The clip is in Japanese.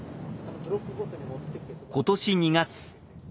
今年２月。